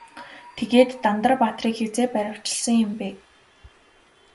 Тэгээд Дандар баатрыг хэзээ баривчилсан юм бэ?